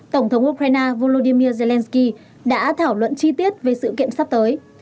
tổng thống ukraine volodymyr zelensky đã thảo luận chi tiết về sự kiện sắp tới